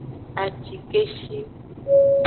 Acikeshi.